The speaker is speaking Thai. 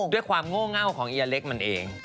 ด้วยความโง่เหงาของเอนเลคต์มันเอง